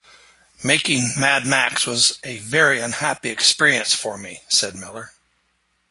"Making "Mad Max" was a very unhappy experience for me," said Miller.